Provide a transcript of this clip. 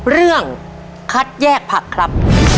เรื่องคัดแยกผักครับ